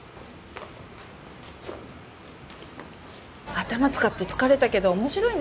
頭使って疲れたけど面白いね